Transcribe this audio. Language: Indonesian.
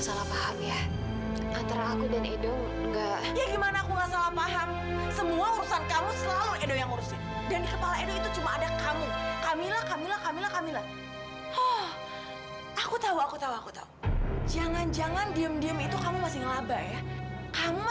sampai jumpa di video selanjutnya